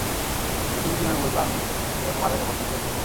কিন্তু তুমি কিভাবে বুঝবা আমি এইরকম আজাইরা প্রশ্ন করলেও শ্যুট করবো।